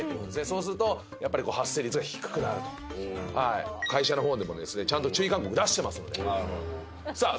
そうするとやっぱり発生率が低くなると会社のほうでもですねちゃんと注意勧告出してますのでさあ